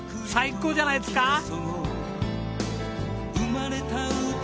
最高じゃないですか！